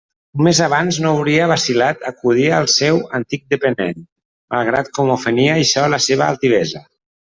Un mes abans no hauria vacil·lat a acudir al seu antic dependent, malgrat com ofenia això la seua altivesa.